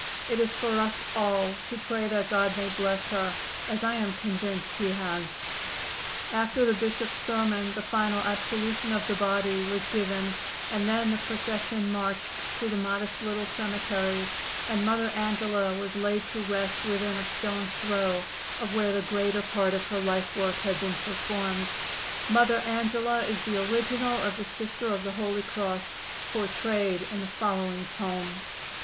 It is for us all to pray that God may bless her, as I am convinced He has." [Illustration: LINCOLN AT GETTYSBURG.] After the Bishop's sermon the final absolution of the body was given and then the procession marched to the modest little cemetery and Mother Angela was laid to rest within a stone's throw of where the greater part of her life work had been performed. Mother Angela is the original of the Sister of the Holy Cross portrayed in the following poem: I.